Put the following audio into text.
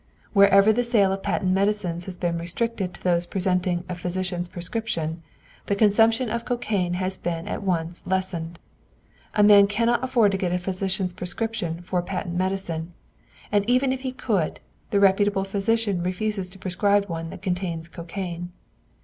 Wherever the sale of patent medicines has been restricted to those presenting a physician's prescription, the consumption of cocaine has at once been lessened. A man cannot afford to get a physician's prescription for a patent medicine; and even if he could, the reputable physician refuses to prescribe one that contains cocaine.